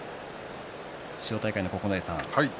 千代大海の九重さん。